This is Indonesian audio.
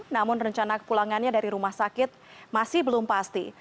namun rencana kepulangannya dari rumah sakit masih belum pasti